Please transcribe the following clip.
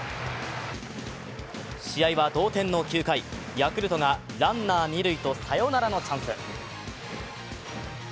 試合は同点の９回、ヤクルトがランナー二塁とサヨナラのチャンス。